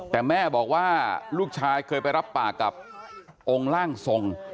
แต่แม่บอกว่าลูกชายเคยไปรับปากกับองค์ร่างทรง